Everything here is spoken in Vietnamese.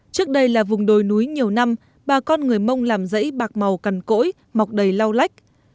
trước đây là vùng đồi núi nhiều năm bà con người mông làm dãy bạc màu cằn cỗi mọc đầy lau lách